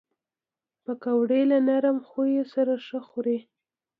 پکورې له نرم خویو سره ښه خوري